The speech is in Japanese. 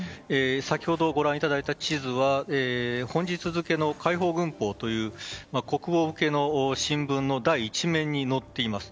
先ほどご覧いただいた地図は本日付の国防系の新聞の第１面に載っています。